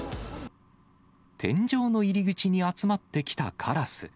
天井の入り口に集まってきたカラス。